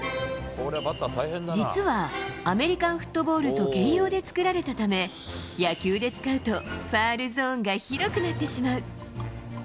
実は、アメリカンフットボールと兼用で作られたため、野球で使うと、ファウルゾーンが広くなってしまう。